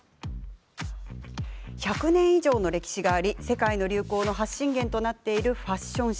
１００年以上の歴史があり世界の流行の発信源となっているファッション誌。